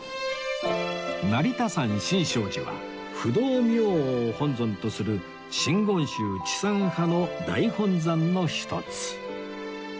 成田山新勝寺は不動明王を本尊とする真言宗智山派の大本山のひとつ